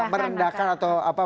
merendahkan atau apa